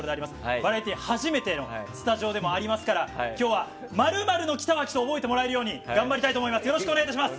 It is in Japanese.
バラエティー、初めてのスタジオでもありますから今日は○○の北脇と覚えてもらえるようによろしくお願いいたします！